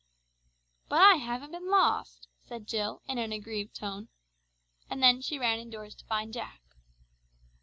"But I haven't been lost," said Jill in an aggrieved tone. And then she ran indoors to find Jack.